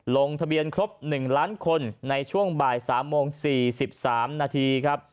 ลงทะเบียนครบ๑ล้านคนในช่วงบ่าย๓โมง๔๓นาทีครับ